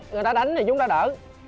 người ta đánh thì chúng ta đỡ